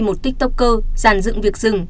một tiktoker giàn dựng việc dừng